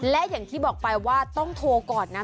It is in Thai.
และอย่างที่บอกไปว่าต้องโทรก่อนนะ